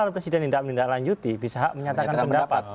kalau presiden tidak menindaklanjuti bisa hak menyatakan pendapat